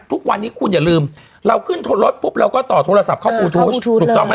ทุกวันนี้คุณอย่าลืมเราขึ้นรถปุ๊บเราก็ต่อโทรศัพท์เข้าปลูทูธถูกต้องไหม